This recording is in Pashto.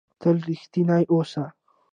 تل رښتنی اوسهٔ.